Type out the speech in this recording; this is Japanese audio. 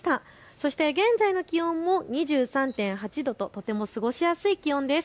そして現在の気温も２３．８度ととても過ごしやすい気温です。